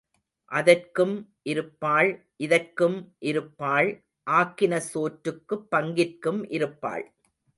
அதற்கும் இருப்பாள், இதற்கும் இருப்பாள், ஆக்கின சோற்றுக்குப் பங்கிற்கும் இருப்பாள்.